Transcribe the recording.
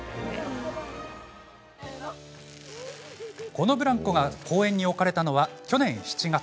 このブランコが公園に置かれたのは去年７月。